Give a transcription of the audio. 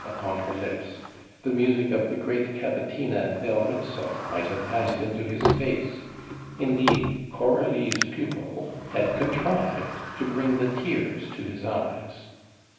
_ upon her lips, the music of the great cavatina Dell Rizzo might have passed into his face. Indeed, Coralie's pupil had contrived to bring the tears to his eyes.